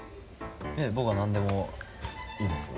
僕は何でもいいですよ